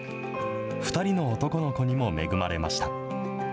２人の男の子にも恵まれました。